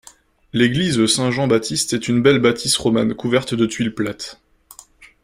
L'église Saint-Jean-Baptiste est une belle bâtisse romane couverte de tuiles plates.